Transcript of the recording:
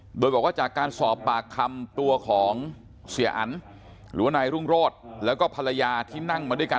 โดยบอกว่าจากการสอบปากคำตัวของเสียอันหรือว่านายรุ่งโรธแล้วก็ภรรยาที่นั่งมาด้วยกัน